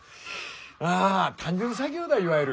まあ単純作業だいわゆる。